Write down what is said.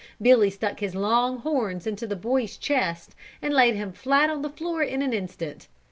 Billy stuck his long horns into the boy's chest and laid him flat on the floor in an instant.